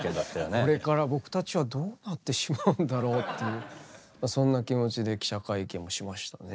これから僕たちはどうなってしまうんだろうっていうそんな気持ちで記者会見をしましたね。